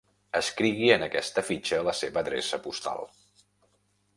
Escrigui en aquesta fitxa la seva adreça postal.